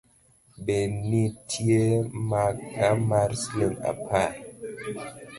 Be nitie maka mar siling’ apar?